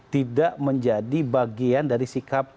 tidak menjadi bagian dari sikap